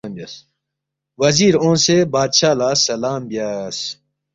وزیر اونگسے بادشاہ لہ سلام بیاس